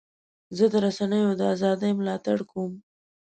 زه د رسنیو د ازادۍ ملاتړ کوم.